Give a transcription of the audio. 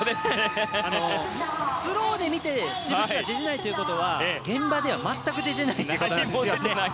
スローで見て、しぶきが出ていないということは現場では全く出ていないということですね。